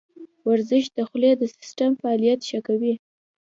ورزش د خولې د سیستم فعالیت ښه کوي.